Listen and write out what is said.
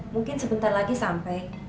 mungkin sebentar lagi sampai